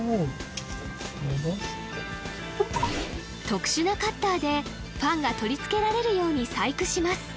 特殊なカッターでファンが取り付けられるように細工します